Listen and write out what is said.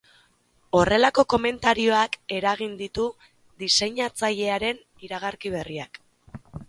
Horrelako komentarioak eragin ditu diseinatzailearen iragarki berriak.